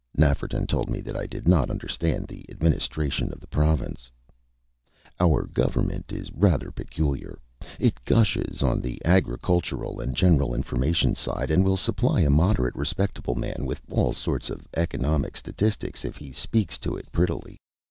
Nafferton told me that I did not understand the administration of the Province. Our Government is rather peculiar. It gushes on the agricultural and general information side, and will supply a moderately respectable man with all sorts of "economic statistics," if he speaks to it prettily.